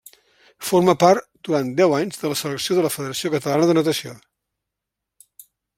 Forma part durant deu anys de la selecció de la Federació Catalana de Natació.